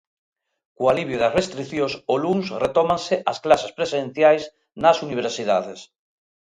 Co alivio das restricións, o luns retómanse as clases presenciais nas universidades.